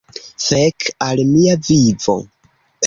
Fek al mia vivo!